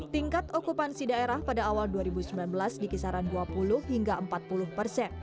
tingkat okupansi daerah pada awal dua ribu sembilan belas di kisaran dua puluh hingga empat puluh persen